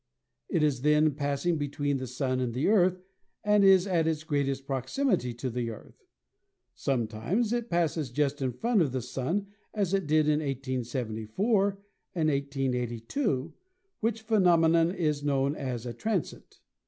It is then pass ing between the Sun and the Earth and is at its greatest proximity to the Earth. Sometimes it passes just in front of the Sun, as it did in 1874 and 1882, which phenomenon is known as a transit.